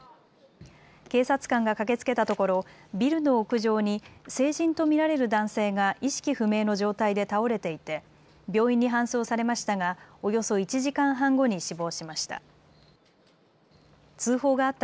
警察官が駆けつけたところビルの屋上に成人と見られる男性が意識不明の状態で倒れていて病院に搬送されましたがおよそ１時間半後に死亡しました。